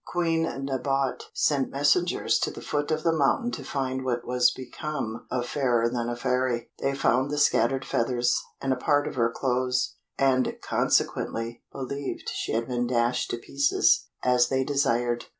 Queen Nabote sent messengers to the foot of the mountain to find what was become of Fairer than a Fairy. They found the scattered feathers, and a part of her clothes, and consequently believed she had been dashed to pieces, as they desired.